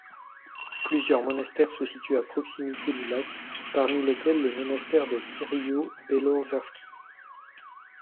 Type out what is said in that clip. Plusieurs monastères se situent à proximité du lac parmi lesquels le Monastère de Kirillo-Belozersky.